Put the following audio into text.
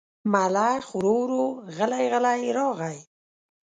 ملخ ورو ورو غلی غلی راغی.